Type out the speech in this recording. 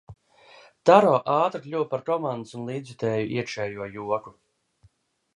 Taro ātri kļuva par komandas un līdzjutēju iekšējo joku.